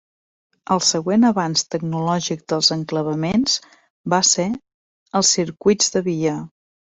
El següent avanç tecnològic dels enclavaments va ser els circuits de via.